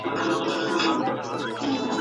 ته له خپل استاد سره مخالفت مه کوه.